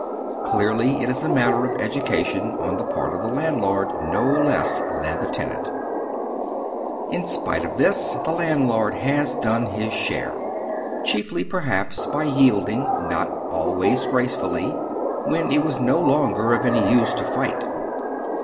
Clearly, it is a matter of education on the part of the landlord no less than the tenant. In spite of this, the landlord has done his share ; chief ly perhaps by yielding— not always gracefully — when it oy Google WHAT HAS BEEN DONE. 271 was no longer of any nee to fight.